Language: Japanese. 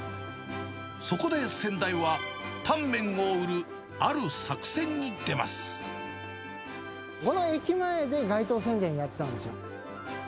そこで先代は、この駅前で街頭宣伝やってたんですよ。